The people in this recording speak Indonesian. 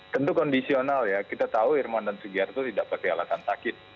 tentu kondisional ya kita tahu irman dan sugiharto tidak pakai alasan sakit